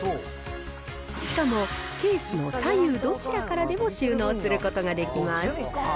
しかもケースの左右どちらからでも収納することができます。